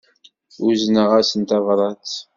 Uzneɣ-asen tabrat.